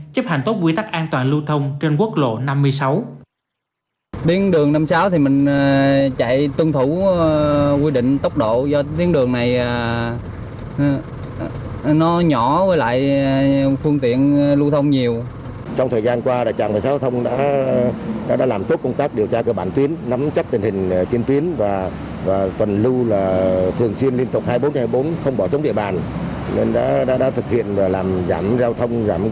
chấp hành tốt quy tắc an toàn lưu thông trên quốc lộ năm mươi sáu